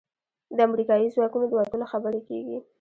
د امریکايي ځواکونو د وتلو خبرې کېږي.